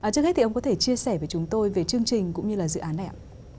trước hết ông có thể chia sẻ với chúng tôi về chương trình cũng như dự án này ạ